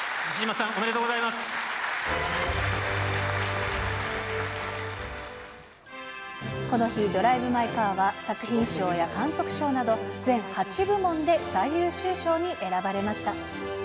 西島さん、この日、ドライブ・マイ・カーは作品賞や監督賞など、全８部門で最優秀賞に選ばれました。